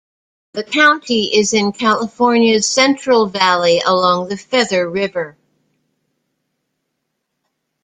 The county is in California's Central Valley along the Feather River.